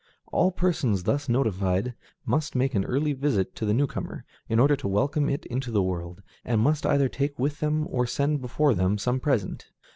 All persons thus notified must make an early visit to the newcomer, in order to welcome it into the world, and must either take with them or send before them some present.